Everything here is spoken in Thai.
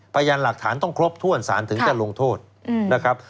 พยานหลักฐานต้องครบถ้วนสารถึงจะลงโทษนะครับ